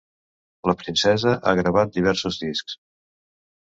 La princesa ha gravat diversos discs.